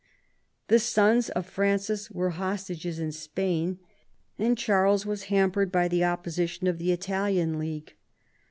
The sons of Francis were hostages in Spain, and Charles was hampered by the opposition of the Italian League.